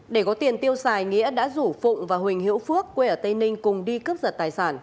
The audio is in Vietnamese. để có tiền tiêu xài nghĩa đã rủ phụng và huỳnh hữu phước quê ở tây ninh cùng đi cướp giật tài sản